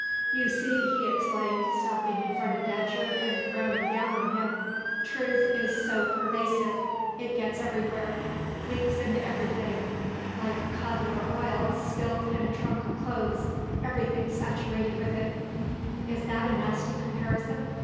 "You see," he explained, stopping in front of Datcherd and frowning down on him, "truth is so pervasive; it gets everywhere; leaks into everything. Like cod liver oil spilt in a trunk of clothes; everything's saturated with it. (Is that a nasty comparison?